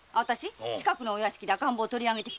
近くのお屋敷で赤ん坊を取り上げてきたの。